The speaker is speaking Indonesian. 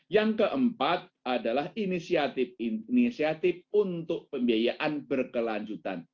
yang keempat adalah inisiatif inisiatif untuk pembiayaan berkelanjutan